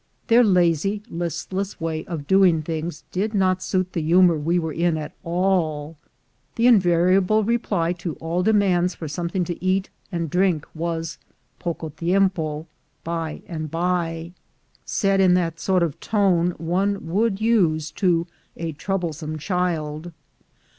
Their lazy listless way of doing things did not suit the humor we were in at all. The invariable reply to all demands for some thing to eat and drink was poco tiempo (by and by), said in that sort of tone one would use to a trouble some child.